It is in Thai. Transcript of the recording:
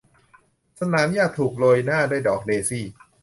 สนามหญ้าถูกโรยหน้าด้วยดอกเดซี่